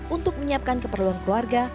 untuk menyiapkan keperluan keluarga